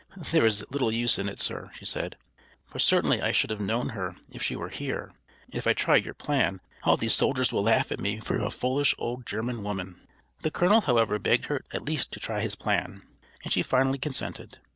"There is little use in it, sir," she said, "for certainly I should have known her if she were here; and if I try your plan all these soldiers will laugh at me for a foolish old German woman." [Illustration: SAWQUEHANNA SEEMED TO REMEMBER THE VOICE] The colonel, however, begged her at least to try his plan, and she finally consented.